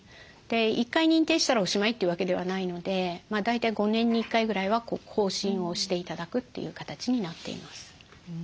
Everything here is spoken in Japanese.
１回認定したらおしまいというわけではないので大体５年に１回ぐらいは更新をして頂くという形になっています。